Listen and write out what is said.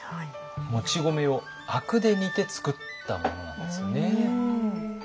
もち米を灰汁で煮て作ったものなんですよね。